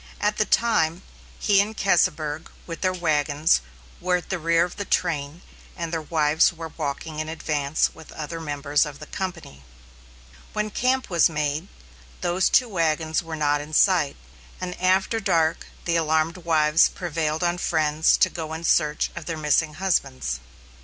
At the time, he and Keseberg, with their wagons, were at the rear of the train, and their wives were walking in advance with other members of the company. When camp was made, those two wagons were not in sight, and after dark the alarmed wives prevailed on friends to go in search of their missing husbands.